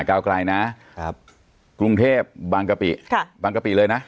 ก้าวไกลนะครับกรุงเทพบางกะปิค่ะบางกะปิเลยนะ